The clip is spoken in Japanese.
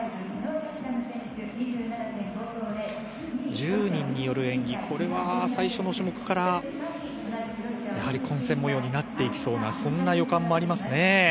１０人による演技、最初の種目から混戦模様になっていきそうな予感もありますね。